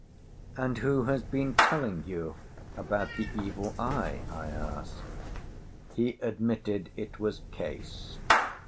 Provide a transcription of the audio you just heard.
"'And who has been telling you about the Evil Eye?' I asked. "He admitted it was Case.